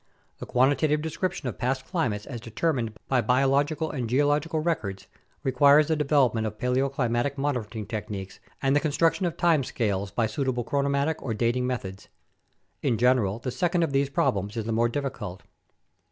The quantitative description of past climates as determined by bio logical and geological records requires the development of paleoclimatic monitoring techniques and the construction of time scales by suitable chronometric or dating methods. In general, the second of these prob lems is the more difficult.